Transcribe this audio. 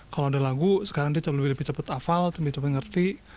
kalau ada lagu sekarang dia lebih cepat hafal lebih cepat ngerti